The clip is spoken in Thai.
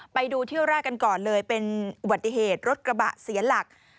ไปดูเที่ยวแรกกันก่อนเลยเป็นอุบัติเหตุรถกระบะเสียหลัก